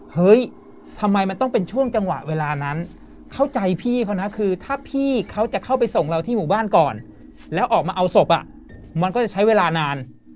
เฮ้ยทำไมมันต้องเป็นช่วงจังหวะเวลานั้นเข้าใจพี่เขานะคือถ้าพี่เขาจะเข้าไปส่งเราที่หมู่บ้านก่อนแล้วออกมาเอาศพมันก็จะใช้เวลานาน